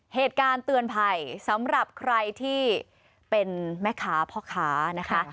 เหตุการณ์เตือนภัยสำหรับใครที่เป็นแม่ค้าพ่อค้านะคะ